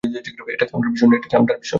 এটা চামড়ার বিষয় না।